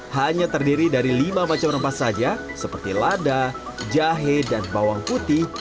hanya terdiri dari lima macam rempah saja seperti lada jahe dan bawang putih